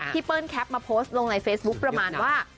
เปิ้ลแคปมาโพสต์ลงในเฟซบุ๊คประมาณว่า